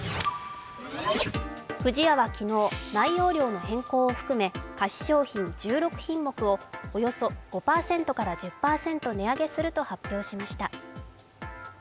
不二家は昨日、内容量の変更を含め菓子商品１６品目をおよそ５％から１０％値上げすると発表しました。